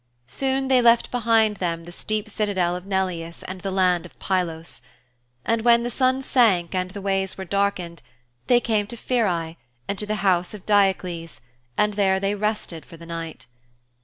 Soon they left behind them the steep citadel of Neleus and the land of Pylos. And when the sun sank and the ways were darkened, they came to Pheræ and to the house of Diocles and there they rested for the night.